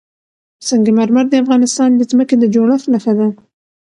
سنگ مرمر د افغانستان د ځمکې د جوړښت نښه ده.